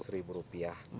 tiga ratus ribu rupiah